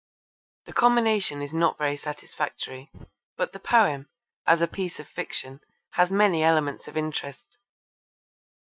The combination is not very satisfactory, but the poem, as a piece of fiction, has many elements of interest.